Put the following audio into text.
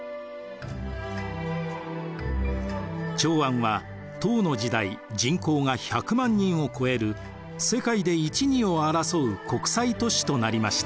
長安は唐の時代人口が１００万人を超える世界で一二を争う国際都市となりました。